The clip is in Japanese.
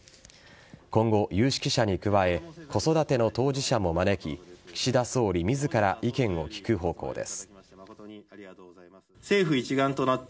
今後、有識者に加え子育ての当事者も招き岸田総理自ら意見を聞く方向です。